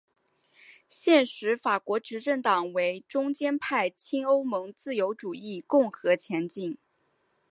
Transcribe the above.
现时法国执政党为中间派亲欧盟自由主义共和前进！